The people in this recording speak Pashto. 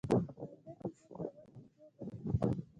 بنده چې فکر وکړي پوه به شي.